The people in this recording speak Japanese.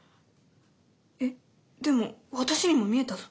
えっでも私にも見えたぞ。